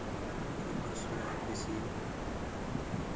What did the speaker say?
وريٚ پرسونٚ آپيٚس آڻو هي ڪآ گھري ڪآم ڪونآ ڪرسگي